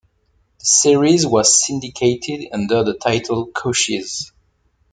The series was syndicated under the title "Cochise".